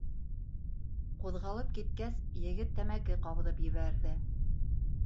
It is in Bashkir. Ҡуҙғалып киткәс, егет тәмәке ҡабыҙып ебәрҙе.